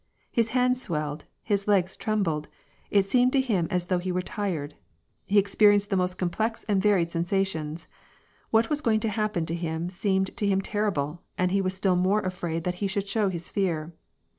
His hands swelled, his legs trembled ; it seemed to him as though he were tired. He experienced the most complex and varied sensations. What was going to hap pen to him seemed to him terrible, and he was still more afraid that he should show his fear.